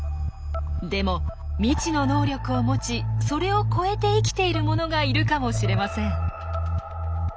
でも未知の能力を持ちそれを超えて生きているものがいるかもしれません。